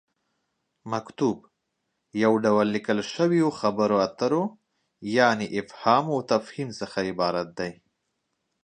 مکتوب: یو ډول ليکل شويو خبرو اترو یعنې فهام وتفهيم څخه عبارت دی